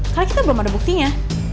karena kita belum ada buktinya